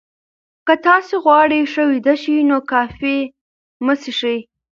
که تاسي غواړئ ښه ویده شئ، نو کافي مه څښئ.